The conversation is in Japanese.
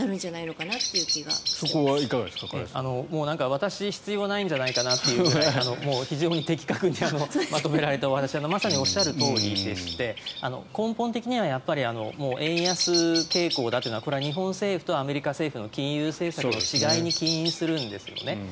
私必要ないんじゃないかなというぐらいもう非常に的確にまとめられたお話でまさにおっしゃるとおりでして根本的には円安傾向だというのはこれは日本政府とアメリカ政府の金融政策の違いに起因するんですね。